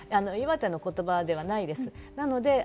岩手の言葉ではないです。